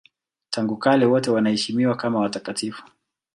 Tangu kale wote wanaheshimiwa kama watakatifu.